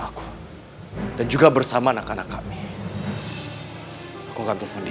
aku dan juga bersama anak anak kami aku akan telepon dia